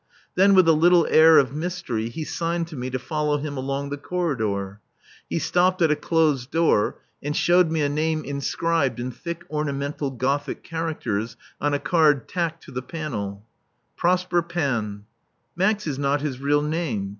Then, with a little air of mystery, he signed to me to follow him along the corridor. He stopped at a closed door and showed me a name inscribed in thick ornamental Gothic characters on a card tacked to the panel: Prosper Panne. Max is not his real name.